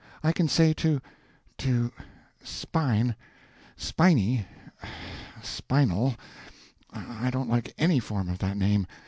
I can say to—to—Spine, Spiny, Spinal—I don't like any form of that name!